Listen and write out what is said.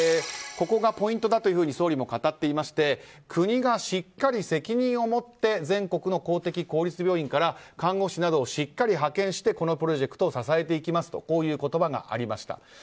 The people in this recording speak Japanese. ここがポイントだと総理も語っていまして国がしっかり責任を持って全国の公的公立病院から看護師などをしっかり派遣してこのプロジェクトを支えていきますとこういう言葉がありました。